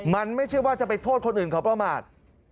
มันไม่ใช่ว่าจะไปโทษคนอื่นเขาประมาท